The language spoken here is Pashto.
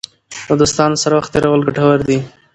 له دوستانو سره وخت تېرول ګټور دی.